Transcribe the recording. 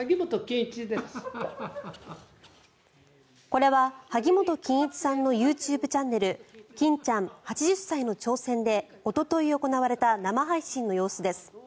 これは萩本欽一さんのＹｏｕＴｕｂｅチャンネル「欽ちゃん８０歳の挑戦！」でおととい行われた生配信の様子です。